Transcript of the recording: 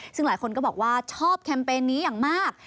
ซึ่งหลายคนก็บอกว่าชอบแคมเปญนี้อย่างมาก